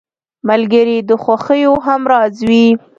ملګری د خوښیو همراز وي